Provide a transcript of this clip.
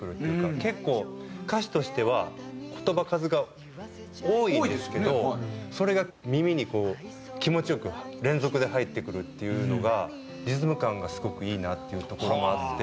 結構歌詞としては言葉数が多いんですけどそれが耳に気持ち良く連続で入ってくるっていうのがリズム感がすごくいいなっていうところもあって。